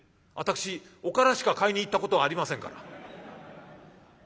私おからしか買いに行ったことありませんから」。